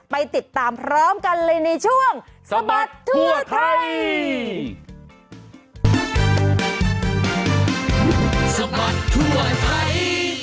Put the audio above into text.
ไปติดตามพร้อมกันเลยในช่วงสะบัดทั่วไทย